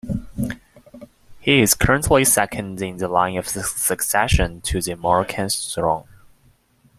He is currently second in the line of succession to the Moroccan throne.